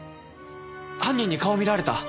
犯人に顔見られた。